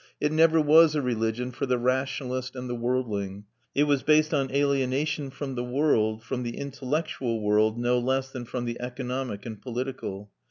It never was a religion for the rationalist and the worldling; it was based on alienation from the world, from the intellectual world no less than from the economic and political.